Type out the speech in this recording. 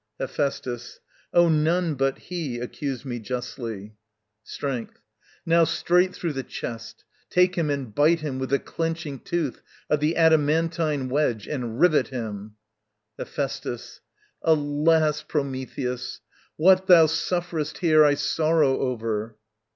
Hephæstus. Oh, none but he Accuse me justly. Strength. Now, straight through the chest, Take him and bite him with the clenching tooth Of the adamantine wedge, and rivet him. Hephæstus. Alas, Prometheus, what thou sufferest here I sorrow over.